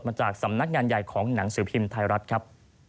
จากสำนักงานใหญ่ของหนังสือพิมพ์ไทยรัฐครับ